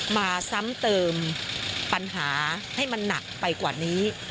มาซ้ำเติมปัญหาให้มันหนักไปกว่านี้